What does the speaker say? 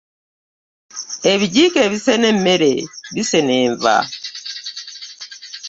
Ebijjiiko ebisena emmere bisena enva.